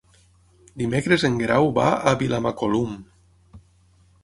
Dimecres en Guerau va a Vilamacolum.